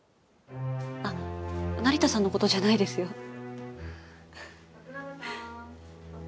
あっ成田さんのことじゃないですよ。